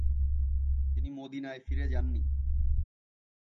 তিনি মদিনায় ফিরে যান নি।